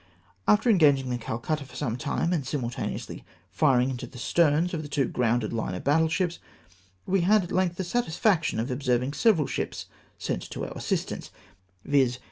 After engaging the Calcutta for some time, and simultaneously firing into the sterns of the two gromided line of battle ships, we had at length the satisfaction of observing several ships sent to our assist ance, viz.